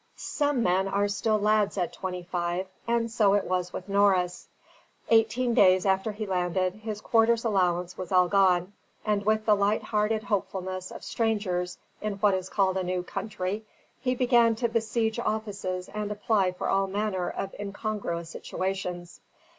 Some men are still lads at twenty five; and so it was with Norris. Eighteen days after he landed, his quarter's allowance was all gone, and with the light hearted hopefulness of strangers in what is called a new country, he began to besiege offices and apply for all manner of incongruous situations.